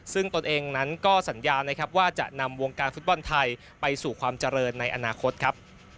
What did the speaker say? ซึ่งตนเองนั้นก็สัญญานะครับว่าจะนำวงการฟุตบอลไทยไปสู่ความเจริญในอนาคตครับ